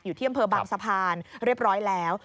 อยู่ที่อำเภอบางสะพานเรียบร้อยแล้ว